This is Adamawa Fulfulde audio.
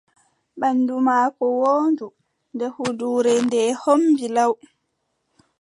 Banndu maako woondu, nde huuduure ndee hommbi law.